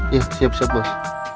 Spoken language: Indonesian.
iya siap siap bos